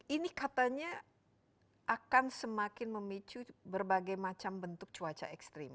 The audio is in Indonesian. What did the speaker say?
ini katanya akan semakin memicu berbagai macam bentuk cuaca ekstrim